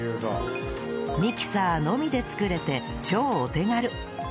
ミキサーのみで作れて超お手軽！